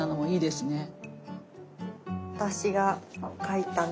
おいいですね。